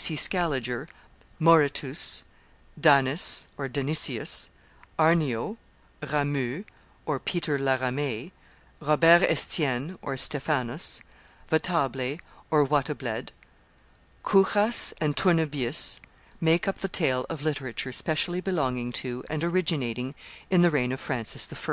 C. Scaliger; Muretus, Danes (Danesius), Arnyot, Ramus (Peter la Ramee), Robert Estienne (Stephanus), Vatable (Watebled), Cujas, and Turnebius make up the tale of literature specially belonging to and originating in the reign of Francis I.